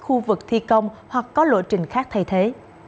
khu vực thi công hoặc có lộ trình khác thay thế